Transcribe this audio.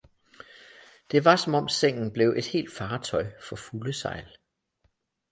det var, som om sengen blev et helt fartøj for fulde sejl.